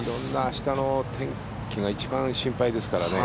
明日の天気が一番心配ですからね。